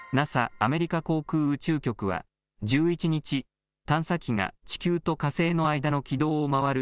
アメリカ航空宇宙局は１１日、探査機が地球と火星の間の軌道を回る